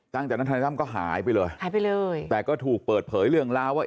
ตั้งแต่นั้นธนายตั้มก็หายไปเลยหายไปเลยแต่ก็ถูกเปิดเผยเรื่องราวว่า